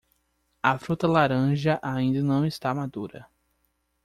A fruta laranja ainda não está madura.